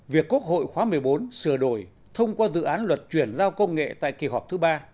việc quốc hội khóa một mươi bốn sửa đổi thông qua dự án luật chuyển giao công nghệ tại kỳ họp thứ ba